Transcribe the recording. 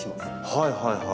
はいはいはい。